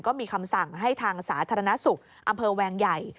ก็มีคำสั่งให้ทางสาธารณสุขอำเภอแวงใหญ่